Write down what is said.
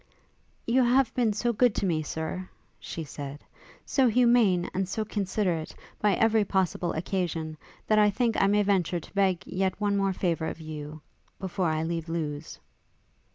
'You have been so good to me, Sir,' she said, 'so humane and so considerate, by every possible occasion, that I think I may venture to beg yet one more favour of you, before I leave Lewes.'